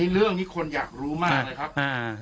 เรื่องนี้คนอยากรู้มากเลยครับ